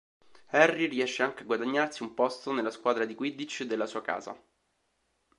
Harry riesce anche a guadagnarsi un posto nella squadra di Quidditch della sua Casa.